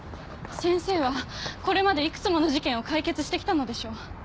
先生はこれまでいくつもの事件を解決して来たのでしょ。